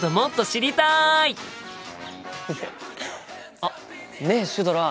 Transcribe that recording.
あっねえシュドラ。